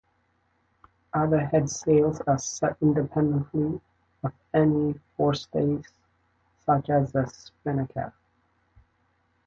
Other headsails are set independently of any forestays, such as the spinnaker.